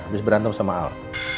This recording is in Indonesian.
habis berantem sama al